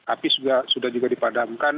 api sudah juga dipadamkan